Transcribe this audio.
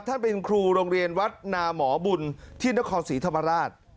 ท่านเป็นครูโรงเรียนวัดนาหมอบุญที่นครศรีธรรมราช